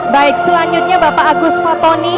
baik selanjutnya bapak agus fatoni